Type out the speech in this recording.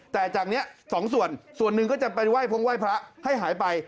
แต่จากนี้สองส่วนส่วนหนึ่งก็จะไปไห้พงไหว้พระให้หายไป